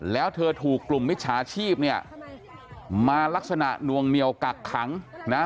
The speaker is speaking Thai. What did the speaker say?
แล้วเธอถูกกลุ่มมิจฉาชีพเนี่ยมาลักษณะนวงเหนียวกักขังนะฮะ